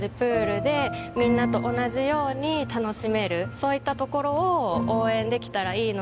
そういったところを応援できたらいいのかな。